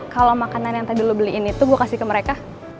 kalau makanan yang tadi lo beliin itu gue kasih ke mereka